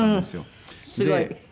すごい。